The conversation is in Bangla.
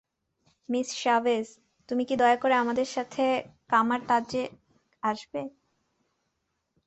মিস শাভেজ, তুমি কি দয়া করে আমাদের সাথে কামার-তাজে আসবে?